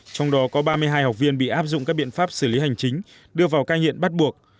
trong đó có ba mươi hai học viên bị áp dụng các biện pháp xử lý hành chính đưa vào cai nghiện bắt buộc